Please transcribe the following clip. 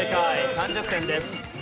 ３０点です。